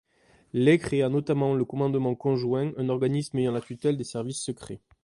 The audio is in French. Leigh créa notamment le commandement conjoint, un organisme ayant la tutelle des services secrets.